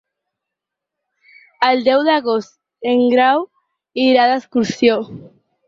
El deu d'agost en Grau irà d'excursió.